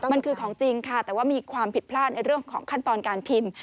มันคือของจริงค่ะแต่ว่ามีความผิดพลาดในเรื่องของขั้นตอนการพิมพ์